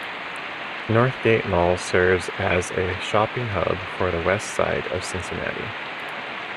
Northgate Mall serves as a shopping hub for the west side of Cincinnati.